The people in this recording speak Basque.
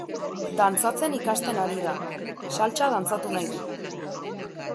Dantzatzen ikasten ari da, saltsa dantzatu nahi du.